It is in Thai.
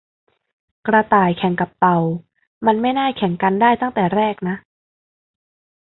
กระต่ายแข่งกับเต่า มันไม่น่าแข่งกันได้ตั้งแต่แรกนะ